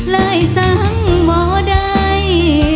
เลยสั่งบ่ได้